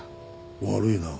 悪いな。